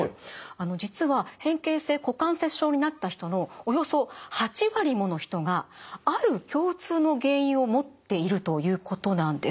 実は変形性股関節症になった人のおよそ８割もの人がある共通の原因を持っているということなんです。